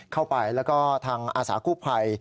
เข้าไปแล้วก็ทางอาสากู้ภัย